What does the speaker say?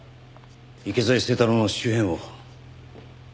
池添清太郎の周辺を。